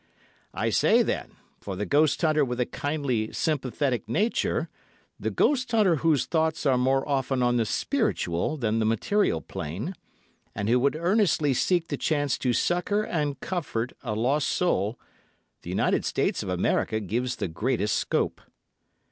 I say, then, for the ghost hunter with a kindly, sympathetic nature, the ghost hunter whose thoughts are more often on the spiritual than the material plane, and who would earnestly seek the chance to succour and comfort a lost soul, the United States of America gives the greatest scope.